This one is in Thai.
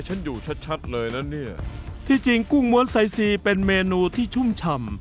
ฉันอยู่ชัดชัดเลยนะเนี่ยที่จริงกุ้งม้วนไซซีเป็นเมนูที่ชุ่มชำ